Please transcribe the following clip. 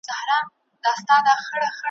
د خپلي خوښی سره سم ,